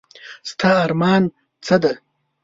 ستا ارمان څه دی ؟